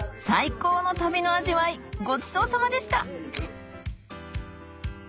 最高の旅の味わいごちそうさまでした！